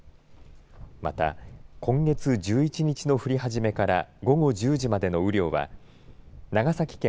また今月１１日の降り始めから午後１０時までの雨量は長崎県